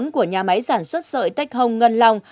của nhà máy sản xuất sợi texhong ngân long